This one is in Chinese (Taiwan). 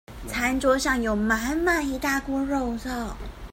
餐桌上有滿滿一大鍋肉燥